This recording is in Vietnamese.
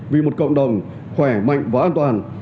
vì một cộng đồng khỏe mạnh và an toàn